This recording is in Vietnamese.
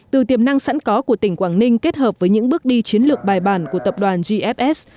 từ tiềm năng sẵn có của tỉnh quảng ninh kết hợp với những bước đi chiến lược bài bản của tập đoàn gfs